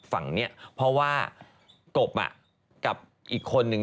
นางเป็นเพื่อนด้วยกันมาแล้วมีโชว์อีกคนนึง